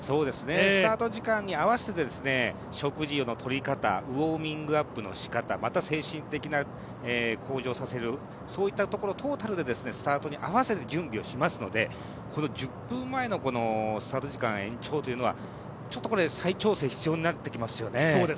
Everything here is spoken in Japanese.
スタート時間に合わせて食事のとり方、ウォーミングアップのしかた精神的な向上をさせるそういったところトータルで、スタートに合わせて準備をしますのでこの１０分前のスタート時間延長というのは再調整必要になってきますよね